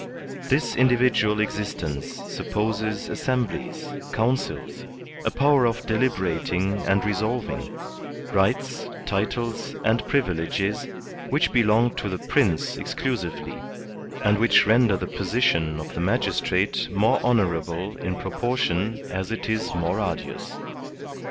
This individual existence supposes assemblies, councils, a power of deliberating and resolving, rights, titles, and privileges which belong to the Prince exclusively, and which render the position 54 THE SOCIAL CONTRACT of the magistrate more honorable in proportion as it is more arduous.